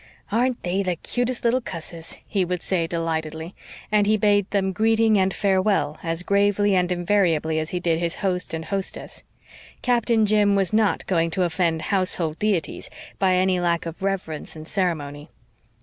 "Aren't they the cutest little cusses?" he would say delightedly; and he bade them greeting and farewell as gravely and invariably as he did his host and hostess. Captain Jim was not going to offend household deities by any lack of reverence and ceremony.